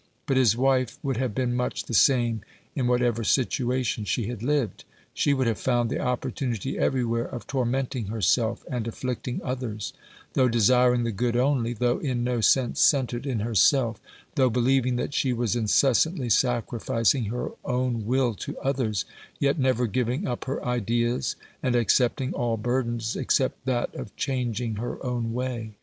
But his wife would have been much the same in whatever situation she had lived ; she would have found the opportunity everywhere of tormenting herself and afflicting others, though desiring the good only, though in no sense centred in herself, though believing that she was incessantly sacrificing her own will to others, yet never giving up her ideas, and accepting all burdens except that of changing her own way.